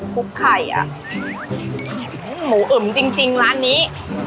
ลูกไข่วงหูเอิ่มจริงจริงร้านนี้